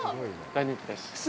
大人気です。